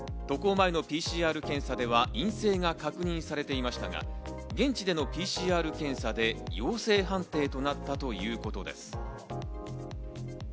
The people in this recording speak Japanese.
渡航前のＰＣＲ検査では陰性が確認されていましたが、現地でのＰＣＲ検査で陽性判定となったということです。